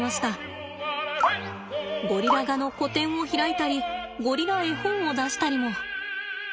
ゴリラ画の個展を開いたりゴリラ絵本を出したりも。